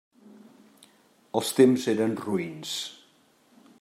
Els temps eren roïns.